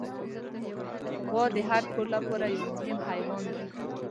غوا د هر کور لپاره یو مهم حیوان دی.